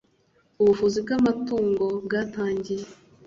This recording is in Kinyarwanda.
ubuvuzi bw amatungo bwatangiye